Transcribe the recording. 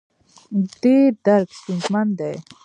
دې درک ستونزمن دی.